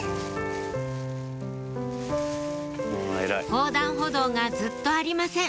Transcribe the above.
横断歩道がずっとありません